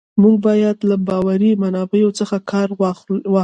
مورخ باید له باوري منابعو څخه کار واخلي.